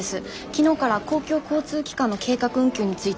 昨日から公共交通機関の計画運休について検討を始めています。